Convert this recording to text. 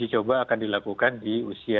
ada berani lagi